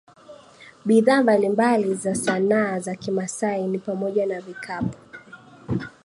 Bidhaa mbalimbali za sanaa za kimaasai ni pamoja na Vikapu